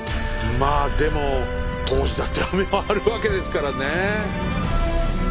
まあでも当時だって雨はあるわけですからねえ。